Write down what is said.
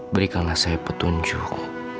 berikanlah saya petunjuk